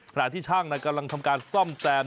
ขณะที่ช่างกำลังทำการซ่อมแซม